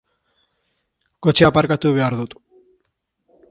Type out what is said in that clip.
Kotxea aparkatu behar dut.